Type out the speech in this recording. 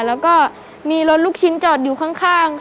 แล้วก็มีรถลูกชิ้นจอดอยู่ข้าง